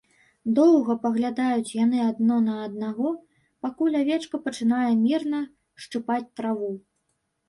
Доўга паглядаюць яны адно на аднаго, пакуль авечка пачынае мірна шчыпаць траву.